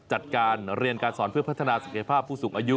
จัดการเรียนการสอนเพื่อพัฒนาศักยภาพผู้สูงอายุ